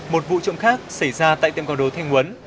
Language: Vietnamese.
một vụ trộm khác xảy ra tại tiệm còn đồ thanh nguấn